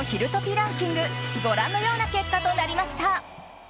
ランキングご覧のような結果となりました。